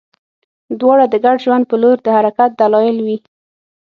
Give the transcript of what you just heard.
دواړه د ګډ ژوند په لور د حرکت دلایل وي.